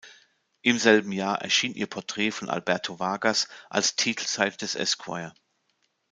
Im selben Jahr erschien ihr Porträt von Alberto Vargas als Titelseite des "Esquire".